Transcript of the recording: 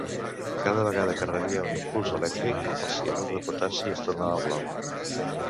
Cada vegada que rebia un impuls elèctric, el cianur de potassi es tornava blau.